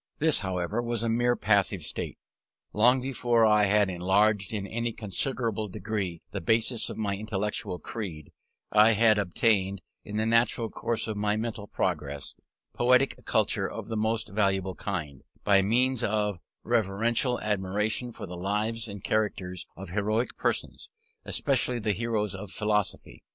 This, however, was a mere passive state. Long before I had enlarged in any considerable degree the basis of my intellectual creed, I had obtained, in the natural course of my mental progress, poetic culture of the most valuable kind, by means of reverential admiration for the lives and characters of heroic persons; especially the heroes of philosophy.